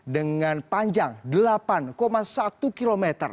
dengan panjang delapan satu km